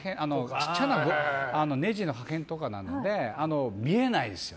小さなネジの破片とかなので見えないですよ。